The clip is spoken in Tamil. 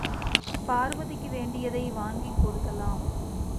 பார்வதிக்கு வேண்டியதை வாங்கிக் கொடுக்கலாம்.